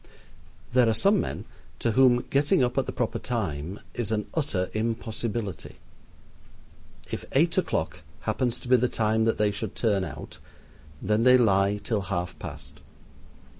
There are some men to whom getting up at the proper time is an utter impossibility. If eight o'clock happens to be the time that they should turn out, then they lie till half past.